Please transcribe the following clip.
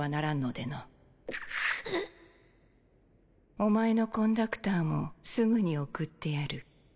お前のコンダクターもすぐに送ってやる。